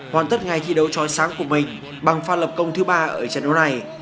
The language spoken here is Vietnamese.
hoàn tất ngày thi đấu tròi sáng của mình bằng pha lập công thứ ba ở trận đấu này